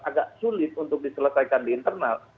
agak sulit untuk diselesaikan di internal